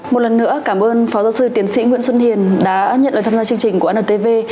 một lần nữa cảm ơn phó giáo sư tiến sĩ nguyễn xuân hiền đã nhận lời tham gia chương trình của ntv